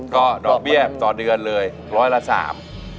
ก็ดอกเบี้ยต่อเดือนเลยร้อยละสาม